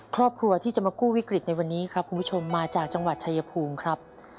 ครอบครัวที่จะมากู้วิกฤตในวันนี้ครับคุณผู้ชมมาจากจังหวัดชายภูมิครับ